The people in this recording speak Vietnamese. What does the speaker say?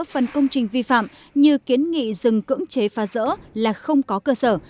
phần công trình vi phạm như kiến nghị dừng cưỡng chế phá rỡ là không có cơ sở